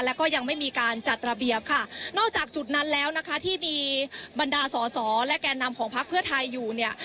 แล้วก็ยังไม่มีการจัดระเบียบค่ะนอกจากจุดนั้นแล้วนะคะที่มีบรรดาสอสอและแก่นำของพักเพื่อไทยอยู่เนี่ย